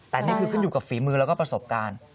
แต่นี่คือขึ้นอยู่กับฝีมือแล้วก็ประสบการณ์